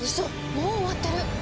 もう終わってる！